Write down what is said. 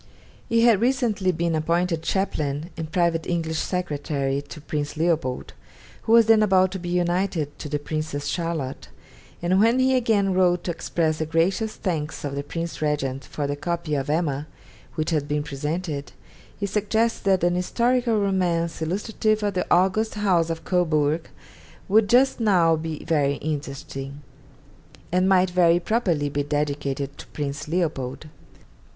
He had recently been appointed chaplain and private English secretary to Prince Leopold, who was then about to be united to the Princess Charlotte; and when he again wrote to express the gracious thanks of the Prince Regent for the copy of 'Emma' which had been presented, he suggests that 'an historical romance illustrative of the august House of Cobourg would just now be very interesting,' and might very properly be dedicated to Prince Leopold.